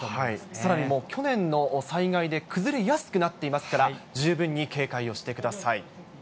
さらにもう、去年の災害で崩れやすくなっていますから、十分に警戒をしてください。